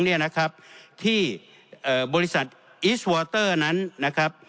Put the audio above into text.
เนี่ยนะครับที่เอ่อบริษัทนั้นนะครับ